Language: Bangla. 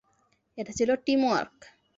এটা ছিল টিম ওয়ার্ক।